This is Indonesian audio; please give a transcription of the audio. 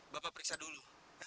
bapak periksa dulu